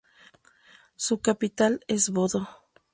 Su capital es Bodø.